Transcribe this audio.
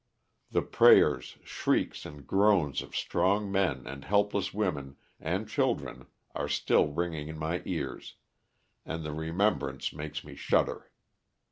The prayers, shrieks and groans of strong men and helpless women and children are still ringing in my ears, and the re membrance makes me shudder.